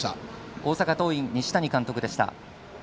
大阪桐蔭、西谷監督でした。